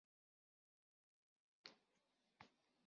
Adrià Bernabé és un futbolista nascut a Barcelona.